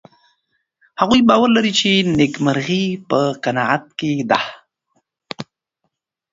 هغوی باور لري چې نېکمرغي په قناعت کې ده.